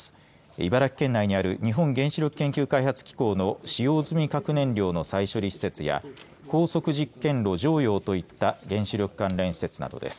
茨城県内にある日本原子力研究開発機構の使用済み核燃料の再処理施設や高速実験炉常陽といった原子力関連施設などです。